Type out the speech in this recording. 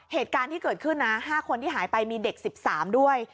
เหตุการณ์ที่เกิดขึ้นนะ๕คนที่หายไปมีเด็ก๑๓ด้วย